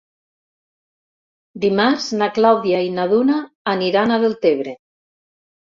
Dimarts na Clàudia i na Duna aniran a Deltebre.